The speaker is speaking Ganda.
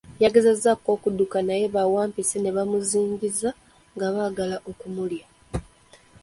Yagezaako okudduka naye bawampisi ne bamuzingiza nga baagala n'okumulya.